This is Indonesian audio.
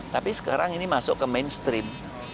tapi sekarang ini masuk ke mainstream